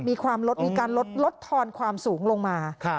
ลดมีการลดทอนความสูงลงมา